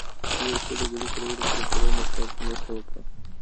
دې وسیلې له بیړۍ چلولو سره پوره مرسته وکړه.